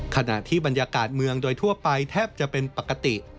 ขณะที่บรรยากาศเมืองโดยทั่วไปแทบจะเป็นปกติ